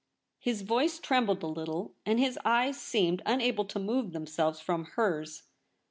His voice trembled a little, and his eyes seemed unable to move themselves from hers.